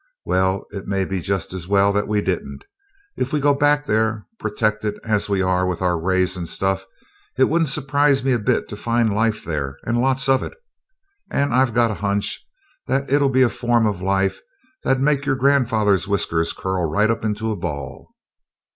Well, it may be just as well that we didn't. If we go back there, protected as we are with our rays and stuff, it wouldn't surprise me a bit to find life there, and lots of it and I've got a hunch that it'll be a form of life that'd make your grandfather's whiskers curl right up into a ball!"